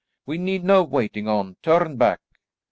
"We need no waiting on; turn back."